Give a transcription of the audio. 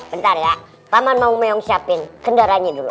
bentar ya paman mau mew siapin kendaranya dulu